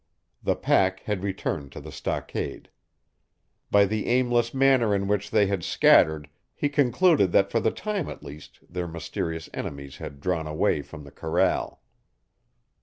The pack had returned to the stockade. By the aimless manner in which they had scattered he concluded that for the time at least their mysterious enemies had drawn away from the corral.